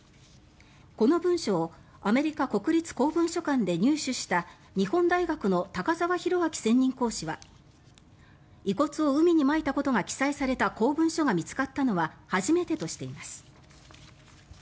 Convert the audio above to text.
この文書をアメリカ国立公文書館で入手した日本大学の高沢弘明専任講師は遺骨を海にまいたことが記載された公文書が見つかったのは初めてとしています。